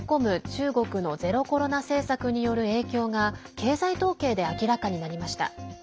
中国のゼロコロナ政策による影響が経済統計で明らかになりました。